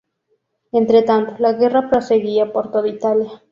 Entretanto, la guerra proseguía por todo Italia.